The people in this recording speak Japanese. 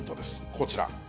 こちら。